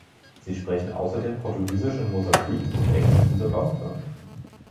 Sie sprechen außerdem Portugiesisch in Mosambik und Englisch in Simbabwe.